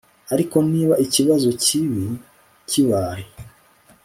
ariko niba ikibazo kibi kibaye